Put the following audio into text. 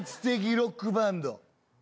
ロックバンド